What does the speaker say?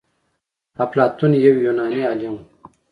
افلاطون يو يوناني عالم و.